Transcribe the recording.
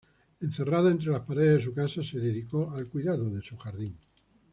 Encerrada entre las paredes de su casa, se dedicó al cuidado de su jardín.